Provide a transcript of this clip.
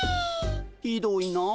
ひどいな。